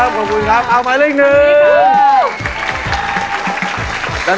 มีความปลอดภัย